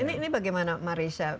nah ini bagaimana marisa